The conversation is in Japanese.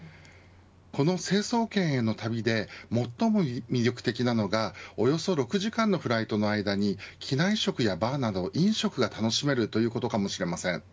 この成層圏への旅で最も魅力的なのがおよそ６時間のフライトの間に機内食やバーなど飲食が楽しめるということなのかもしれません。